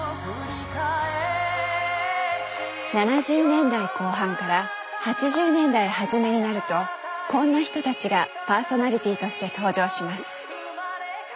７０年代後半から８０年代初めになるとこんな人たちがパーソナリティーとして登場します。